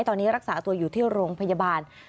ตอนนี้รักษาตัวอยู่ที่โรงพยาบาล